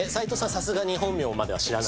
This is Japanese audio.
さすがに本名までは知らない？